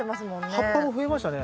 葉っぱも増えましたね。